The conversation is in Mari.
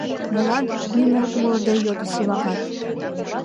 — Молан? — нимом умылыде йодо Сивагат.